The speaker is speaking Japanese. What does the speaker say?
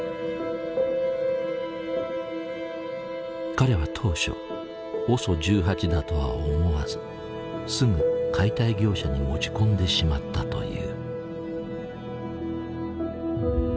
彼は当初ＯＳＯ１８だとは思わずすぐ解体業者に持ち込んでしまったという。